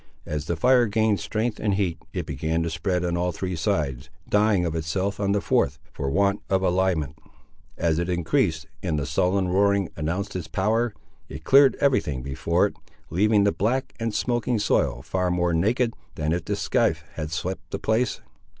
As the fire gained strength and heat, it began to spread on three sides, dying of itself on the fourth, for want of aliment. As it increased, and the sullen roaring announced its power, it cleared every thing before it, leaving the black and smoking soil far more naked than if the scythe had swept the place.